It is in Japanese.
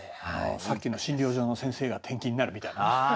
さっきの診療所の先生が転勤になるみたいなね。